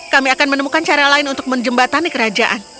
kami akan menemukan cara lain untuk menjembatani kerajaan